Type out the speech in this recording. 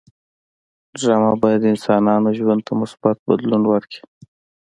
ډرامه باید د انسانانو ژوند ته مثبت بدلون ورکړي